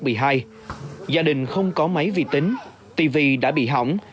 gia đình không có máy vi tính tv đã bị hỏng